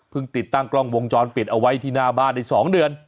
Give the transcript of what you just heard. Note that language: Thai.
ติดตั้งกล้องวงจรปิดเอาไว้ที่หน้าบ้านได้๒เดือน